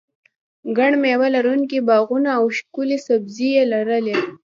ګڼ مېوه لرونکي باغونه او ښکلې سرسبزي یې لرله.